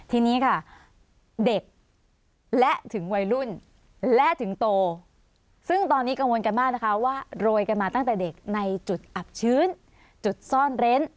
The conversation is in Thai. ทีนี้ค่ะเด็กและถึงวัยรุ่นและถึงโตซึ่งตอนนี้กังวลกันมากนะคะว่าโรยกันมาตั้งแต่เด็กในจุดอับชื้นจุดซ่อนเร้น